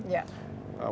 mulai ada larangan ya